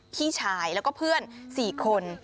พี่ชายแล้วก็เพื่อน๔คน